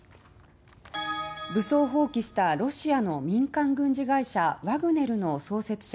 武装蜂起したロシアの民間軍事会社ワグネルの創設者